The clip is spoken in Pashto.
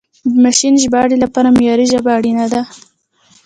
د ماشیني ژباړې لپاره معیاري ژبه اړینه ده.